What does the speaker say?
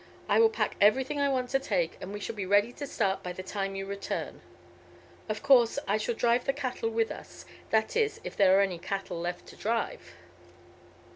I will pack everything I want to take, and we shall be ready to start by the time you return. Of course, I shall drive the cattle with us that is, if there are any cattle left to drive."